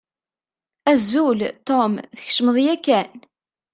Azul, Tom, tkecmeḍ yakan?